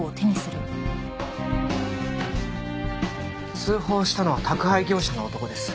通報したのは宅配業者の男です。